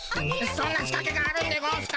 そんな仕かけがあるんでゴンスか。